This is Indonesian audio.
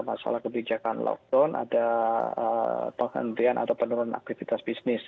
masalah kebijakan lockdown ada penghentian atau penurunan aktivitas bisnis